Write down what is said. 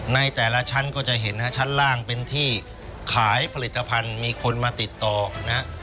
ในแต่ละชั้นก็จะเห็นนะฮะชั้นล่างเป็นที่ขายผลิตภัณฑ์มีคนมาติดต่อนะฮะ